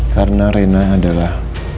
karena reina adalah